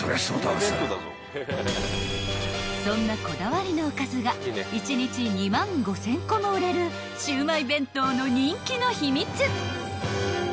［そんなこだわりのおかずが１日２万５，０００個も売れるシウマイ弁当の人気の秘密］